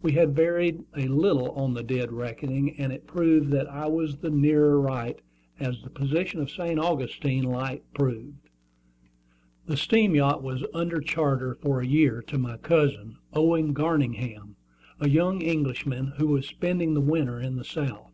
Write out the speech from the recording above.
We had varied a little on the dead reckoning, and it proved that I was the nearer right, as the position of St. Augustine Light proved. The steam yacht was under charter for a year to my cousin, Owen Garningham, a young Englishman, who was spending the winter in the South.